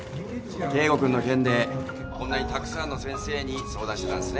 圭吾君の件でこんなにたくさんの先生に相談してたんですね。